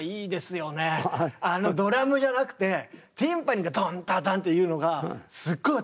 あのドラムじゃなくてティンパニーがドンドドンっていうのがすっごい